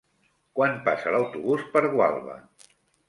Quan passa l'autobús per Gualba?